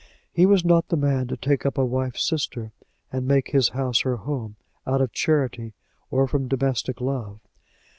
He was not the man to take up a wife's sister, and make his house her home, out of charity or from domestic love.